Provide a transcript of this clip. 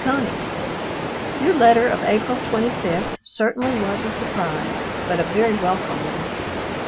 CONEY, Your letter of April 25 certainly was a surprise, but a very welcome one.